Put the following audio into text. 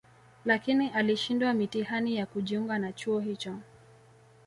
Lakini alishindwa mitihani ya kujiunga na chuo hicho